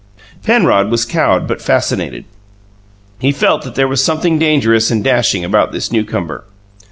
Penrod was cowed but fascinated: he felt that there was something dangerous and dashing about this newcomer.